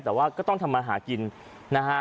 แต่ว่าก็ต้องทำมาหากินนะฮะ